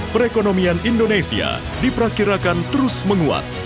perekonomian indonesia diperkirakan terus menguat